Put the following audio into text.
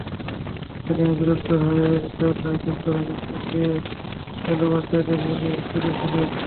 এতে তিনি বিরক্ত হয়ে তাঁর লাইসেন্স করা পিস্তল দিয়ে এলোপাতাড়ি গুলি ছুড়েছিলেন।